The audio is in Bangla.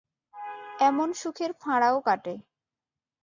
এমন সুখের ফাঁড়াও কাটে।